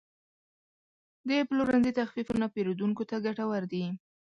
د پلورنځي تخفیفونه پیرودونکو ته ګټور دي.